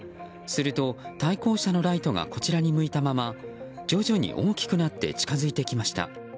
すると、対向車のライトがこちらに向いたまま徐々に大きくなって近づいてきました。